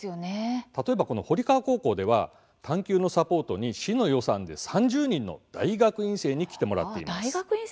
例えば、堀川高校では「探究」のサポートに市の予算で、３０人の大学院生に来てもらっています。